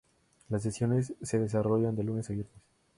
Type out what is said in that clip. Las sesiones se desarrollan de lunes a viernes.